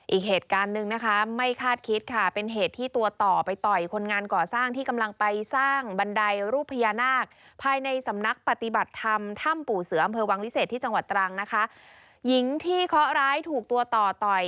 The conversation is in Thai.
อีกเหตุการณ์หนึ่งนะคะไม่คาดคิดค่ะเป็นเหตุที่ตัวต่อไปต่อยคนงานก่อสร้างที่กำลังไปสร้างบันไดรูปพญานาคภายในสำนักปฏิบัติธรรมถ้ำปู่เสืออำเภอวังวิเศษที่จังหวัดตรังนะคะหญิงที่เคาะร้ายถูกตัวต่อต่อย